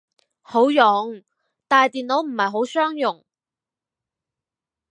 好用，但係電腦唔係好相容